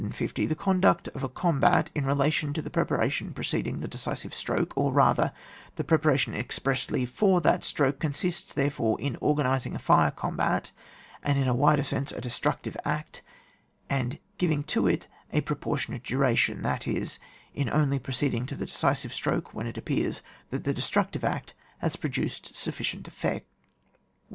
The conduct of a combat in rela tion to the preparation preceding the decisive stroke, or rather the preparation expressly for that stroke, consists, there fore, in organising a fire combat, and, in a wider sense, a destructive act, and giving to it a proportionate diiration, that is, in only proceeding to the decisive stroke when it appears ifiat the destruc tive act has produced sufficient effect. 151.